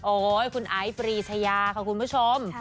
โอ๊ยคุณไอซ์ปรีชายาค่ะคุณผู้ชม